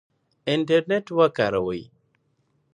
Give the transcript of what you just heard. انټرنیټ وکاروئ.